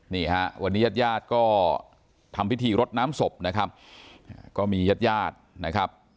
นี่ฮะวันนี้ญาติญาติก็ทำพิธีรดน้ำศพนะครับก็มีญาติญาตินะครับ